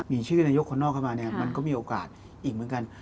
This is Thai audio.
มีชื่อนายกคนนอกเข้ามาเนี่ยมันก็มีโอกาสอีกเหมือนกัน